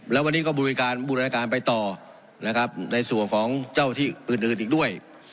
แล้ววันนี้ก็บริการบูรณาการไปต่อนะครับในส่วนของเจ้าที่อื่นอีกด้วย